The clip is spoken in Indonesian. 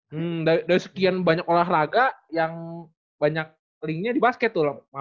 hmm dari sekian banyak olahraga yang banyak linknya di basket tuh